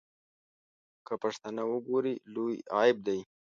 که پښتانه وګوري لوی عیب دی.